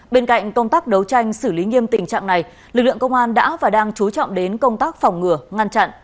bên cạnh công tác đấu tranh xử lý nghiêm tình trạng này lực lượng công an đã và đang chú trọng đến công tác phòng ngừa ngăn chặn